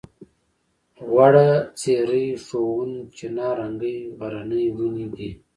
غوړه څېرۍ ښوون چناررنګی غرني ونې دي.